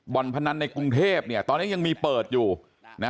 นพนันในกรุงเทพเนี่ยตอนนี้ยังมีเปิดอยู่นะ